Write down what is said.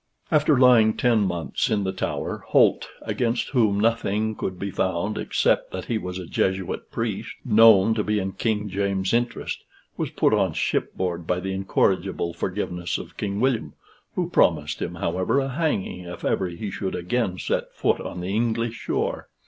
After lying ten months in the Tower, Holt, against whom nothing could be found except that he was a Jesuit priest, known to be in King James's interest, was put on shipboard by the incorrigible forgiveness of King William, who promised him, however, a hanging if ever he should again set foot on English shore.